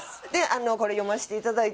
これ読ませていただいて。